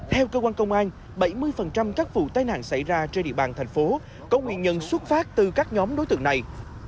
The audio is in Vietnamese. theo cơ quan công an bảy mươi các vụ tai nạn xảy ra trên địa bàn thành phố có nguyên nhân xuất phát từ các nhóm đối tượng này